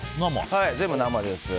全部生です。